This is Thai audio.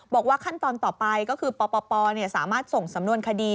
บอกว่าขั้นตอนต่อไปก็คือปปสามารถส่งสำนวนคดี